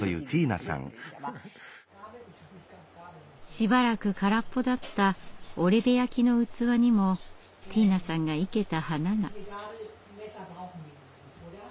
しばらく空っぽだった織部焼の器にもティーナさんが生けた花が。